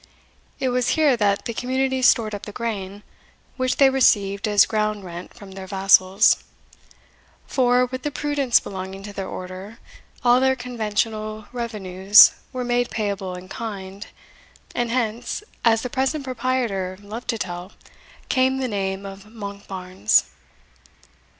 It was here that the community stored up the grain, which they received as ground rent from their vassals; for, with the prudence belonging to their order, all their conventional revenues were made payable in kind, and hence, as the present proprietor loved to tell, came the name of Monkbarns.